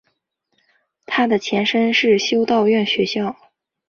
它的前身是修道院学校。